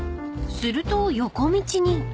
［すると横道に］